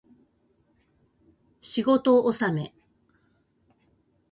仕事納め